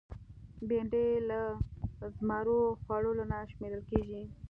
بېنډۍ له زمرو خوړو نه شمېرل کېږي